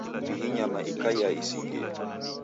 Ihi nyama ikaia isingie.